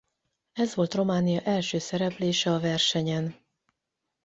Ez volt Románia első szereplése a versenyen.